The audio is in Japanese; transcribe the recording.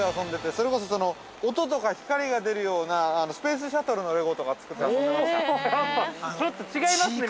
それこそ、音とか光が出るようなスペースシャトルのレゴとか作って遊んでました。